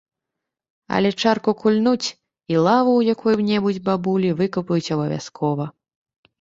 Але чарку кульнуць і лаву ў якой-небудзь бабулі выкапаюць абавязкова.